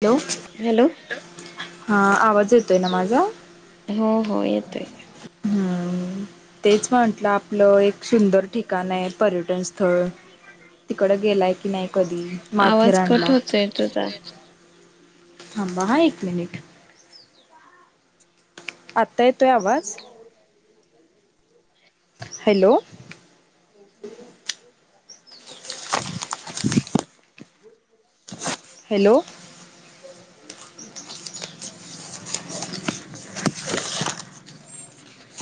ठेवू हॅलो हा आवाज येतोय ना माझा हो हो येतोय. हम्म तेच म्हटलं आपलं एक सुंदर ठिकाणये पर्यटन स्थळ तिकड गेलाय की नाय कधी आवाज माथेरानला कट आवाज होतोय कट तुझा होतोय थांबा हा एक मिनिट आत्ता येतोय आवाज हॅलो [inaudible] हॅलो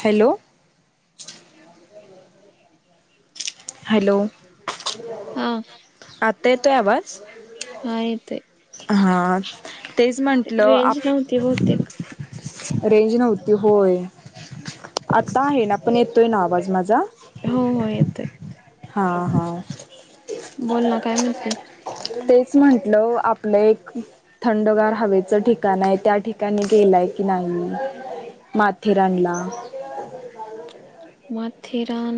हॅलो. हॅलो हा आता येतोय आवाज? हा येतोय हा तेच म्हंटलं आप रेंज नव्हती बहुतेक रेंज नव्हती होय. आता आहे ना पण येतोय ना आवाज माझा? हो हो येतोय. हां हां. बोल ना काय म्हणते? तेच म्हंटलं आपलं एक थंडगार हवेचं ठिकाण आहे त्या ठिकाणी गेलाय की नाही. माथेरानला माथेरान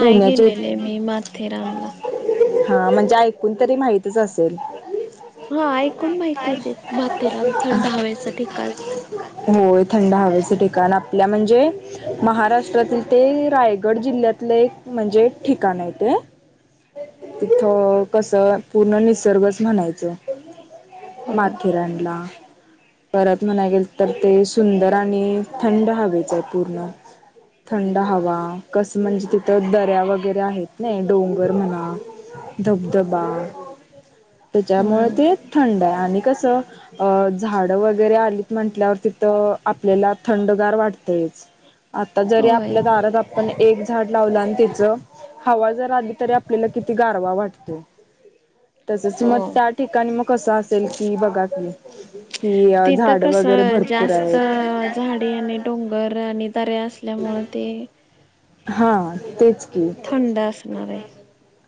नाय गेलेले मी माथेरानला. हा म्हणजे ऐकून तरी माहितीच असेल. हा ऐकून माहितीचय ते माथेरान थंड हवेचा ठिकाण. होय थंड हवेचं ठिकाण आपल्या म्हणजे महाराष्ट्रातील ते राय गड जिल्ह्यातलं एक म्हणजे ठिकाण आहे ते. तिथ कसं पूर्ण निसर्गच म्हणायचं. हो माथेरानला परत म्हणा गेल तर ते सुंदर आणि थंड हवेचं आहे पूर्ण थंड हवा कसं म्हणजे तिथं दऱ्या वगैरे आहेत ना डोंगर म्हणा धबधबा हो त्याच्यामुळे ते थंड आणि कसं अ झाड वगैरे आलीत म्हटल्यावर तिथं आपल्याला थंडगार वाटतय. आता जरी होय आपल्या दारात आपण एक झाड लावलं आणि तिचं हवा जर आली तरी आपल्याला किती गारवा वाटतो. तसच हो म त्या ठिकाणी म कसं असेल की बघा की कि अ झाडं वगैरे भरपूर आहेत. झाडे आणि डोंगर आणि दऱ्या असल्यामुळे ते हा तेच. की थंडा असणार आहे.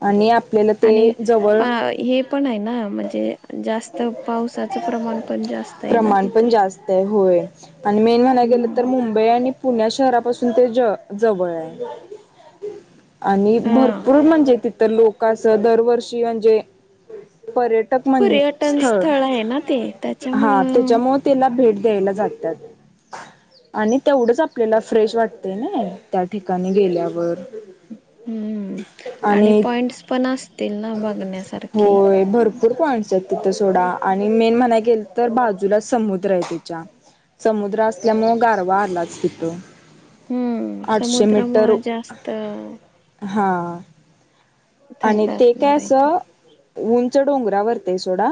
आणि आपल्याला ते आणि ज पा हे पण आहे ना म्हणजे जास्त पावसाचं प्रमाण पण जास्त आहे ना तिथं. तय होय आणि मेन म्हणाय गेलं तर हम्म मुंबई आणि पुण्या शहरापासून ते ज जवळ आहे. आणि हा भरपूर म्हणजे तिथं लोक कासं दरवर्षी म्हणजे पर्यट टक मन पर्यटन स्थळ आहे ना ते हा त्याच्यामुळं तिला भेट द्यायला जात्यात. आणि तेवढंच आपल्याला फ्रेश वाटते नय त्या ठिकाणी गेल्यावर. हम्म आणि पॉइंट्स पण असतील ना बघण्यासारखी. होय भरपूर पॉईंटस आहेत तिथं सोडा आणि मेन म्हणाय गेल तर बाजूला समुद्र आहे तेच्या. समुद्र असल्यामुळे गारवा आालाच तिथं. हम्म आठशे समुद्रामुळं जास्त हां. आणि थंड ते काय असणार आहे ते. असं उंच डोंगरा वर ते सोडा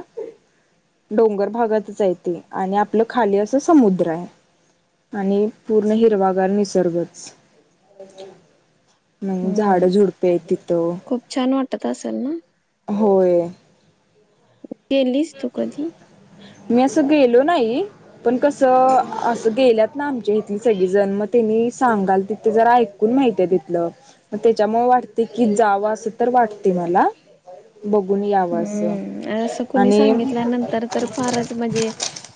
डोंगर भागातच आहे ते आणि आपलं खाली असं समुद्र आहे. आणि पूर्ण हिरवागार निसर्गच म्हणे झाडं हम्म झुडपे आहेत तिथं. खूप छान वाटत असल ना? होय. गेलीस तू कधी? मी असं गेलो नाही. पण कसं असं गेल्यात ना आमच्या इथली सगळी जन त्यांनी सांगाल तिथे जरा ऐक माहिती आहे तिथल म त्याच्यामुळे वाटते की जावा अस तर वाटते मला बघून यावं असं. हम्म असं कुणी आणि सांगितल्यानंतर तर फारच म्हणजे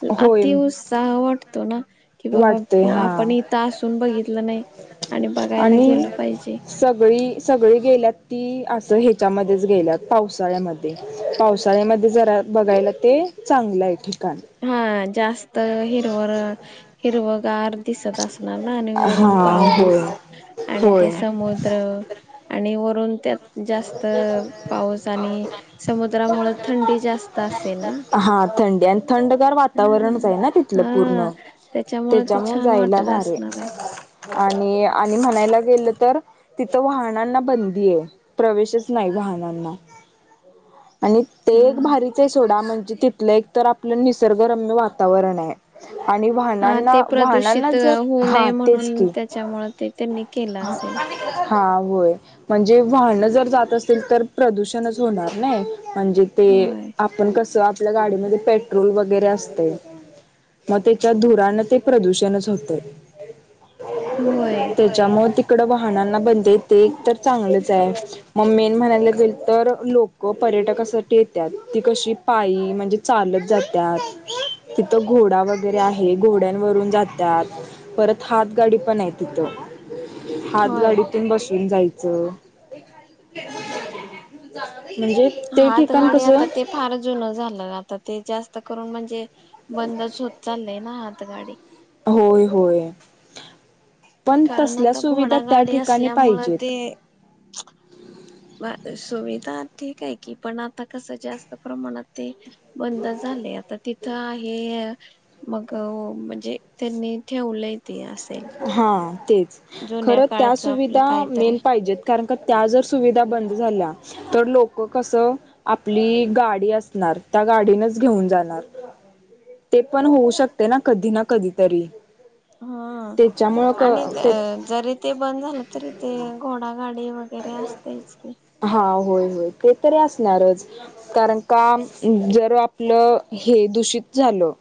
होय अति उत्साह वाटतो ना कि वाटतंय बाबा हा आपण इथं असून बघितलं नाही आणि बघायला आणि गेलो पाहिजे. सगळी, सगळी गेल्यात ती असं ह्याच्यामध्येच गेल्यात पावसाळ्यामध्ये पावसाळ्यामध्ये जरा बघायला ते चांगलं आहे ठिकाण. हा जास्त हिरव हिरवगार दिसत असणार ना आणि वरून हा पाऊस होय आणि ते होय समुद्र आणि वरून त्यात जास्त पाऊस आणि समुद्रामुळे थंडी जास्त असेल ना? हां थंडी आणि थंडगार वातावरणच ह आहे ना तिथलं पूर्ण हा ते त्याच्यामुळे छान जायला वाटत भारी असणार आहे आणि आणि म्हणायला गेलं तर तिथं वाहनांना बंदी आहे प्रवेशच नाही वाहनांना आणि ते एक हा भारीच आहे सोडा म्हणजे तिथलं एक तर आपलं निसर्गरम्य वातावरण आहे. आणि ह ते वाहनांना वाहनांना प्रदूषित जर होऊ हा नये तेच म्हणून की त्याच्यामुळे ते त्यानी केलं असेल. हा होय म्हणजे वाहनं जर जात असेल तर प्रदूषणच होणार नाही म्हणजे ते होय आपण कस आपल्या गाडीमध्ये पेट्रोल वगैरे असते. मग त्याच्या धुरानं ते प्रदूषणच होतं. होय त्याच्यामुळ तिकडं वाहनांना बंदी ते एक तर चांगलंच आहे मग मी म्हणायला गेले तर लोक व पर्यटकासाठी येतात ती कशी पायी म्हणजे चालत जातात. तिथं घोडा वगैरे आहे घोड्यांवरून जातात. परत हात गाडी पण आहे तिथ हात होय. गाडीतून बसून जायचं. म्हणजे ते ठिकाण हातगाडी कसं आता ते फार जुनं झालं आता ते जास्त करून म्हणजे बंदच होत चाललंय ना आता गाडी होय होय पण कारण तसल्या आता सुविधा त्या घोडागाडी ठिकाणी असल्यामुळे पाहिजेत. ते ह [inaudible] सुविधा ठीक आहे की पण आता कसं जास्त प्रमाणात ते बंद झाले आता तिथं आहे. मग म्हणजे त्यांनी ठेवलं असेल. हा तेच जुन्या खरं त्या काळचं आपलं सुविधा काहीतरी मेन पाहिजेत. कारण का त्या जर सुविधा बंद झाल्या तर लोक कसं? आपली गाडी असणार त्या गाडीनच घेऊन जाणार. ते पण होऊ शकते ना कधी ना कधीतरी हा त्याच्यामुळं क आणि ते अ जरी ते बंद झालं तरी ते घोडागाडी वगैरे असतेच. हा होय होय ते तरी असणारच, कारण काम जर आपलं हे दूषित झालं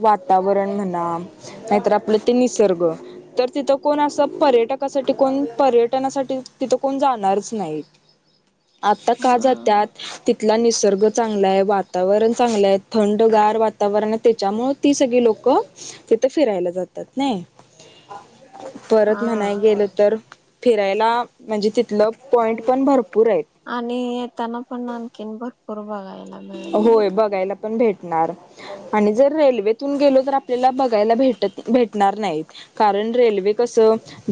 वातावरण म्हणा नाहीतर आपलं ते निसर्ग तर तिथं कोण असं पर्यटकासाठी कोण पर्यटनासाठी तिथ कोण जाणारच नाही आता का हम्म जात्यात ति. थला निसर्ग चांगलाय वातावरण चांगलंय थंडगार वातावरण आहे त्याच्यामूळ ती सगळी लोकं तिथं फिरायला जातात नाही परत म्हणाय हा. गेलं तर फिरायला म्हणजे तिथलं पॉईंट पण भरपूर आहेत आणि येतांना पण आणखीन भरपूर बघायला ला होय बघायला पण भेटणार आणि जर रेल्वेतून गेलो तर आपल्याला बघायला भेटत भेटणार नाहीत कारण रेल्वे कस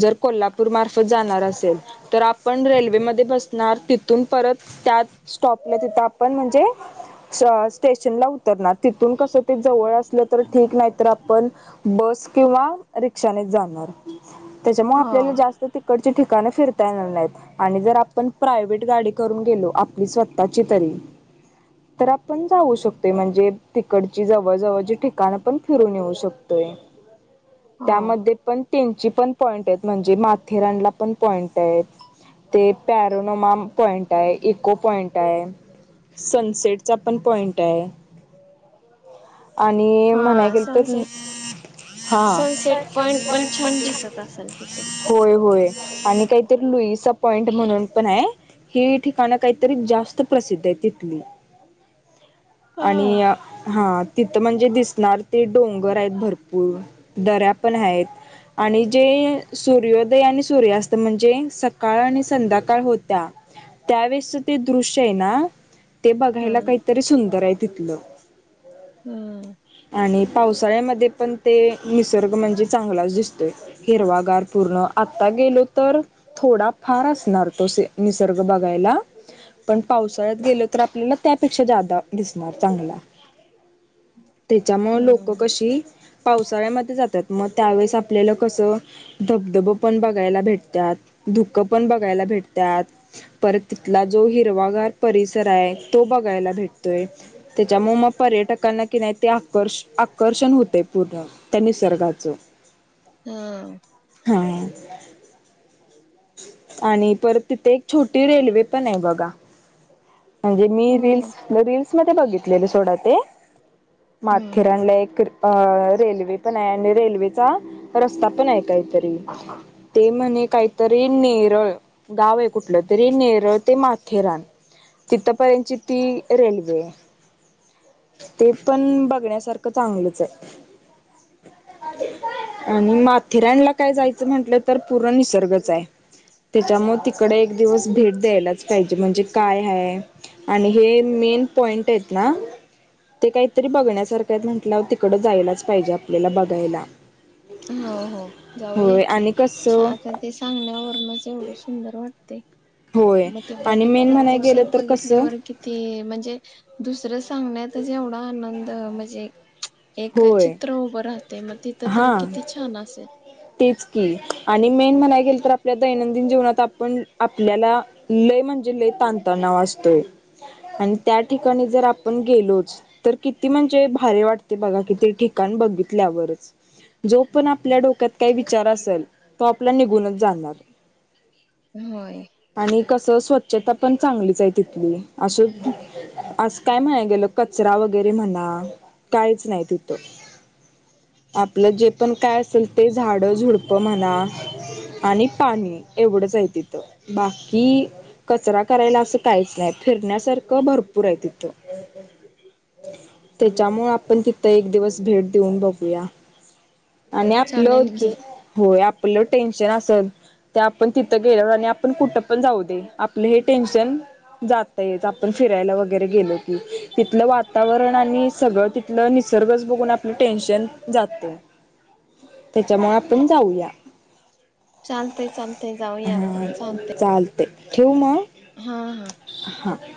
जर कोल्हापूर मार्फत जाणार असेल तर आपण रेल्वेमध्ये बसणार तिथून परत त्या स्टॉपला तिथं आपण म्हणजे स स्टेशनला उत् तरणार तिथून कस ते जवळ असलं तर ठीक नाही तर आपण बस किंवा रिक्षानेच जाणार त्याच्यामुळे हो आपल्याला जास्त तिकडची ठिकाण फिरता येणार नाहीत आणि जर आपण प्रायव्हेट गाडी करून गेलो आपली स्वतःची तरी तर आपण जाऊ शकतोय म्हणजे तिकडची जवळजवळची ठिकाण पण फिरून येऊ शकतोय हो त्यामध्ये पण त्यांची पण पॉईंटयेत म्हणजे माथेरानला पण पॉईंटयेत ते पॅरोनोमा पॉइंट आहे इको पॉइंट आहे सं सेटचा पण पॉइंट आहे आणि म्हणाय हा गेलं तर सनसेट हा सनसेट पॉइंट पण छान दिसत असेल तिथं. होय होय आणि काहीतरी लुईचा पॉइंट म्हणून पण आहे हि ठिकाणं काहीतरी जास्त प्रसिद्ध आहे तिथली आणि हा हा तिथं म्हणजे दिसणार ते डोंगर आहेत भरपूर दऱ्या पण आहेत आणि जे सूर्योदय आणि सूर्यास्त म्हणजे सकाळ आणि संध्याकाळ होत्या त्यावेेळेसच ते दृश्य आहे ना ते बघायला हम्म काहीतरी सुंदर आहे तिथलं हम्म आणि पावसाळ्यामध्ये पण ते निसर्ग म्हणजे चांगलाच दिसतोय हिरवागार पूर्ण आत्ता गेलो तर थोडा फार असणार तो सीन निसर्ग बघायला पण पावसाळ्यात गेल तर आपल्याला त्यापेक्षा ज्यादा दिसणार चांगला त्याच्यामुळं लोकं हम्म कशी पावसाळ्यामध्ये जातात मग त्यावेेळेस आपल्याला कसं धबधब पण बघायला भेटत्यात धुकं पण बघायला भेटत्यात परत तिथला जो हिरवागार परिसर आहे तो बघायला भेटतोय तेच्यामुळे म पर्यटकांना की नाही ते आकर्ष आकर्षण होते पूर्ण त्या निसर्गाचं हम् हा आणि परत तिथे एक छोटी रेल्वे पण आहे बघा म्हणजे मी होय. रिल्स रील्स मध्ये बघितलेले सोडा ते हम्म माथेरानला एक अ रेल्वे पण आहे आणि रेल्वेचा रस्ता पण आहे काहीतरी. ते म्हणे काहीतरी नेरळ गाव आहे कुठलं तरी नेरळ ते म माथेराण तिथंपर्यंतची ती रेल्वे. ते पण बघण्यासारखं चांगलच आहे. आणि माथेरानला काय जायचं म्हंटलं तर पुरा निसर्गच. त्याच्यामुळे तिकडे एक दिवस भेट द्यायलाच पाहिजे म्हणजे काय हाय? आणि हे मेन पॉइंट आहेत ना. ते काहीतरी बघण्यासारखं म्हटलं तिकडं जायलाच पाहिजे आपल्याला बघायला. हो हो जाऊया होय की आणि कसं आता. ते सांगल्यावर म एवढं सुंदर वाटते. होय मग ते आणि बघ मेन म्हणाय गेलं प्रत्यक्षात तर कसं बघितल्यावर किती ते म्हणजे दुसरं सांगण्यातच एवढा आनंद म्हणजे एक होय चित्र उभं राहते मग तिथ हा तर् किती छान असेल? तेच की आणि मेन म्हणाय गेल तर आपल्या दैनंदिन जीवनात आपण आपल्याला लय म्हणजे लय ताण तणाव असतोय. आणि त्या ठिकाणी जर आपण गेलोच तर किती म्हणजे भार वाटते. ते बघा किती ठिकाण बघितल्यावरच. जो पण आपल्या डोक्यात काही विचार असेल तो आपला निघूनच जाणार. होय. आणि कसं स्वच्छता पण चांगलीच आहे तिथली. अं आज काय म्हणाय गेल कचरा वगैरे म्हणा काहीच नाही तिथं. आपलं जे पण काय असेल ते झाड झुडप म्हणा. आणि पाणी एवढंच आहे तिथं बाकी कचरा करायला असं काहीच नाही. फिरण्यासारखं भरपूर आहे तिथं. त्याच्यामुळे आ आपण तिथं एक दिवस भेट देऊन बघूया आणि आपलं चालेल की होय. आपलं टेनशन असत त्या आपण तिथं गेल्या आणि आपण कुठं पण जाऊ दे. आपलं हे टेन्शन जाता येत आपण फिरायला वगैरे गेलो की तिथलं वातावरण आणि सगळं ति आपलं निसर्गच बघून आपलं टेन्शन जातं. त्याच्यामुळे आपण जाऊया. चालतय चालतय जाऊया आपण चालतय. ते ठेऊ म हा हा. हा.